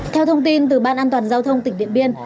theo thông tin từ ban an toàn giao thông tỉnh điện biên